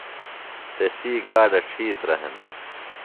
تسی گاڈہ ڇِھیترہ ہِنہ۔